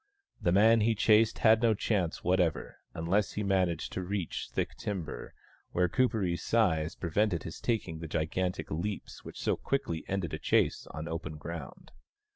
The man he chased had no chance whatever, unless he managed to reach thick timber, where Kuperee's size prevented his taking the gigantic leaps which so quickly ended a chase on open ground.